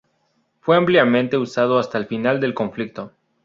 Fue ampliamente usado hasta el final del conflicto.